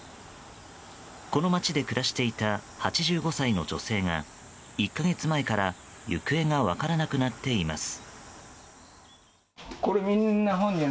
この街で暮らしていた８５歳の女性が１か月前から行方が分からなくなっています。